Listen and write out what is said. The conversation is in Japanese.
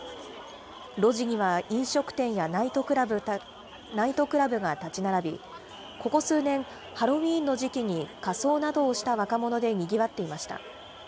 路地には飲食店やナイトクラブが建ち並び、ここ数年、ハロウィーンの時期に仮装などをした若者でにぎわっていました。